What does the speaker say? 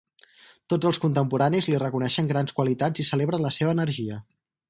Tots els contemporanis li reconeixen grans qualitats i celebren la seva energia.